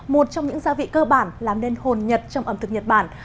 một trong những gia vị cơ bản làm nên hồn nhật trong ẩm thực nhật bản